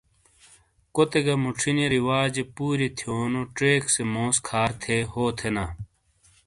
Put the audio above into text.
کوتے گہ موچھینے رواجے پورئیے تھیونو چیک سے موس کھار تھے ہو تھینا۔